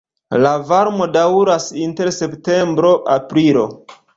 La varmo daŭras inter septembro-aprilo.